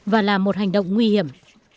và là một hành động nguy hiểm